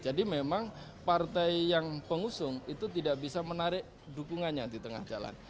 jadi memang partai yang pengusung itu tidak bisa menarik dukungannya di tengah jalan